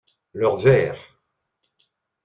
Leur verre.